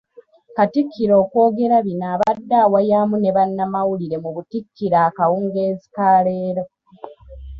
Katikkiro okwogera bino abadde awayamu ne bannamawulire mu Butikkiro akawungeezi ka leero.